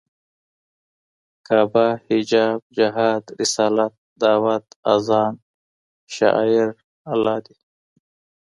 کعبه، حجاب جهاد، رسالت، دعوت، اذان....شعائر الله دي